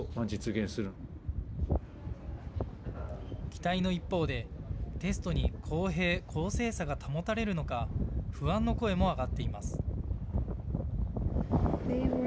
期待の一方でテストに公平・公正さが保たれるのか不安の声も上がっています。